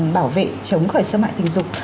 bảo vệ chống khỏi xâm hại tình dục